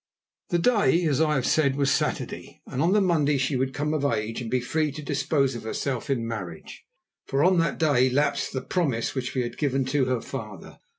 The day, as I have said, was Saturday, and on the Monday she would come of age and be free to dispose of herself in marriage, for on that day lapsed the promise which we had given to her father.